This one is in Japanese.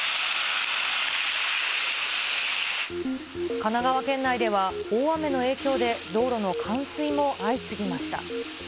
神奈川県内では大雨の影響で道路の冠水も相次ぎました。